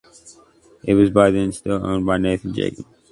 It was by then still owned by Nathan Jacob.